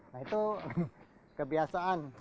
nah itu kebiasaan